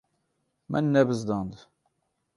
Min nebizdand.